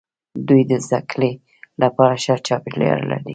دوی د زده کړې لپاره ښه چاپیریال لري.